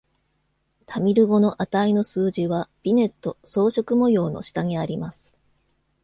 タミル語の値の数字は、ビネット（装飾模様）の下にあります。